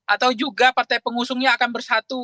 atau juga partai pengusungnya akan bersatu